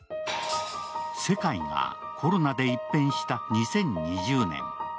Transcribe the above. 世界がコロナで一変した２０２０年。